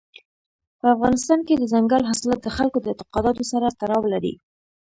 په افغانستان کې دځنګل حاصلات د خلکو د اعتقاداتو سره تړاو لري.